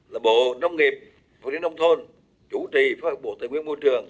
là bộ nông nghiệp phương điện nông thôn chủ trì phó hợp bộ tự nguyên môi trường